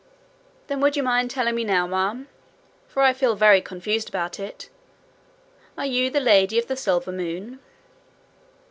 'Then would you mind telling me now, ma'am, for I feel very confused about it are you the Lady of the Silver Moon?'